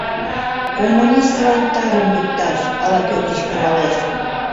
— Коммунистлан тарым йӱкташ! — ала-кӧ кычкыралеш.